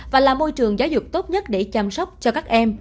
và là môi trường giáo dục tốt nhất để chăm sóc cho các em